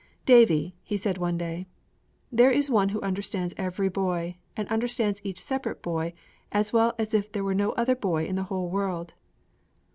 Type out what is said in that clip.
'Davie,' he said one day, 'there is One who understands every boy, and understands each separate boy as well as if there were no other boy in the whole world.'